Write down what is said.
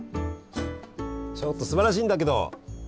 ちょっとすばらしいんだけど。